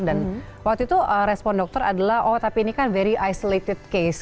dan waktu itu respon dokter adalah oh tapi ini kan very isolated case